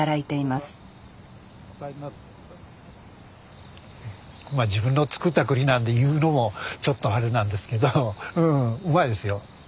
まあ自分の作った栗なんで言うのもちょっとあれなんですけどうんうまいですよ。